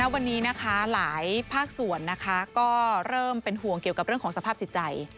วันนี้นะคะหลายภาคส่วนก็เริ่มเป็นห่วงเกี่ยวกับเรื่องของสภาพจิตใจ